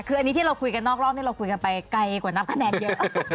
คืออันนี้ที่เราคุยกันนอกรอบนี้เราคุยกันไปไกลกว่านับคะแนนเยอะ